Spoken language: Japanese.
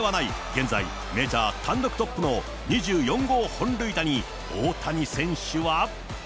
現在、メジャー単独トップの２４号本塁打に大谷選手は。